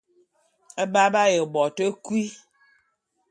Ba b'aye bo te kui.